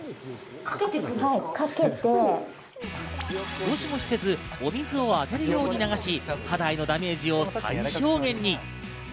ゴシゴシせず、お水を当てるように流し、肌へのダメージを最小限に。